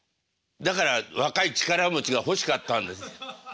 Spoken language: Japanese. だから若い力持ちが欲しかったんです。